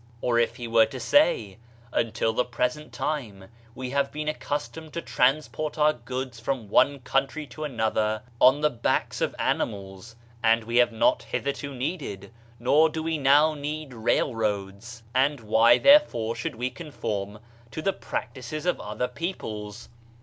Or if he were to say, "Until the present time we have been accustomed to transport our goods from one country to another on the backs of ani mals, and we have not hitherto needed, nor do we now need, railroads, and why therefore should we conform to the practices of other peoples.'